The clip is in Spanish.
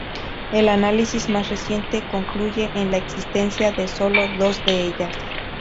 El análisis más reciente concluye en la existencia de solo dos de ellas.